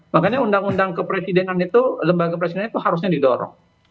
makanya lembaga kepresidenan itu harusnya didorong